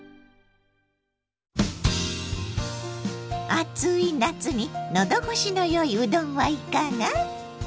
暑い夏に喉越しの良いうどんはいかが？